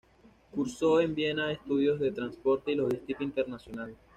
Cursó en Viena estudios de transporte y logística internacional.